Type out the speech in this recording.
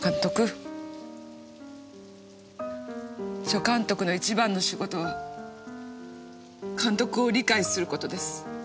助監督の一番の仕事は監督を理解することです。